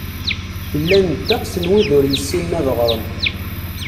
Llan ddeqs n wid ur yessinen ad ɣren.